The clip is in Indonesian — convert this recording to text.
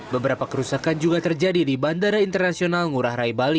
beberapa kerusakan juga terjadi di bandara internasional ngurah rai bali